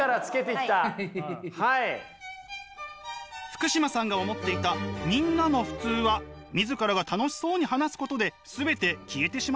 福島さんが思っていたみんなの普通は自らが楽しそうに話すことで全て消えてしまいました。